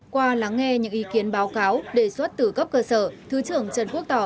qua lắng nghe những ý kiến báo cáo đề xuất từ cấp cơ sở thứ trưởng trần quốc tỏ